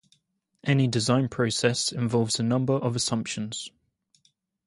Any design process involves a number of assumptions.